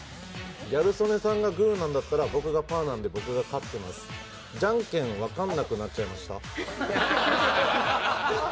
ギャル曽根さんがグーなんだったら、僕がパーだから僕が勝ってます、じゃんけん分かんなくなっちゃいました？